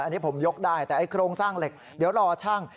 อันนี้ผมยกได้แต่ไอ้โครงสร้างเหล็กเดี๋ยวรอช่าง